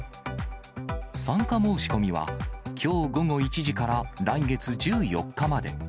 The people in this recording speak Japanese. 参加申し込みは、きょう午後１時から来月１４日まで。